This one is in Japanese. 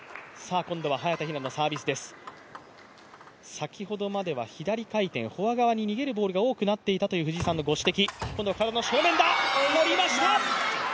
先ほどまでは左回転、フォア側に逃げるサーブが多くなっていたという藤井さんのご指摘。